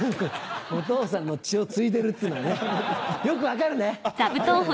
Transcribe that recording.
お父さんの血を継いでるっていうのがよく分かるね。